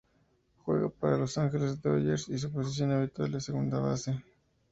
Juega para Los Angeles Dodgers y su posición habitual es segunda base.